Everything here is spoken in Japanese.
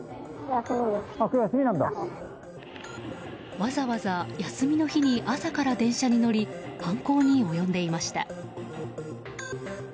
わざわざ休みの日に朝から電車に乗り犯行に及んでいました。